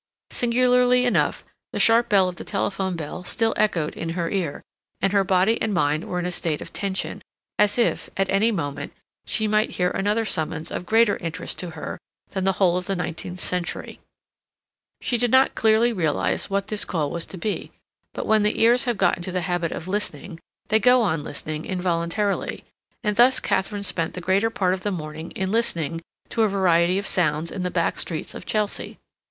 Singularly enough, the sharp call of the telephone bell still echoed in her ear, and her body and mind were in a state of tension, as if, at any moment, she might hear another summons of greater interest to her than the whole of the nineteenth century. She did not clearly realize what this call was to be; but when the ears have got into the habit of listening, they go on listening involuntarily, and thus Katharine spent the greater part of the morning in listening to a variety of sounds in the back streets of Chelsea.